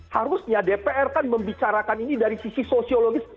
harusnya dpr kan membicarakan ini dari sisi sosiologis